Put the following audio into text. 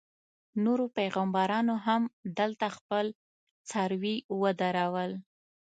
نورو پیغمبرانو هم دلته خپل څاروي ودرول.